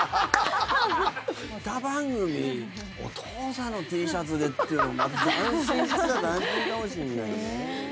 歌番組、お父さんのＴシャツでっていうのもまあ斬新っちゃ斬新かもしれないね。